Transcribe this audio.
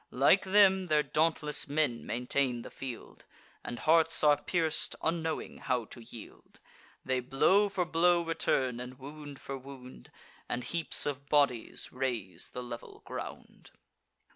Like them, their dauntless men maintain the field; And hearts are pierc'd, unknowing how to yield: They blow for blow return, and wound for wound; And heaps of bodies raise the level ground.